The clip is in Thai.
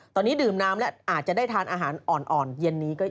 ตอนนี้ดื่มน้ำแล้วอาจจะได้ทานอาหารอ่อนเย็นนี้ก็เยอะ